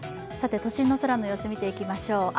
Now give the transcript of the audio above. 都心の空の様子、見ていきましょう。